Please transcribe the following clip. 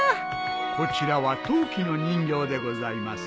こちらは陶器の人形でございます。